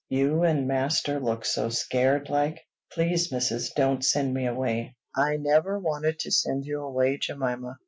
You and master looked so scared like. Please, mis'ess, don't send me away." "I never wanted to send you away, Jemima.